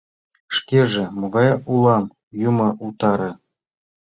Шкеже могай улам — юмо утаре!..